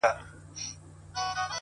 د زړه پاکوالی ستره شتمني ده؛